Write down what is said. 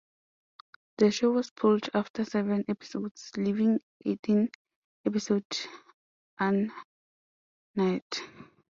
The show was pulled after seven episodes, leaving eighteen episodes unaired.